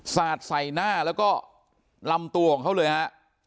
สาดใส่หน้าแล้วก็ลำตัวของเขาเลยฮะ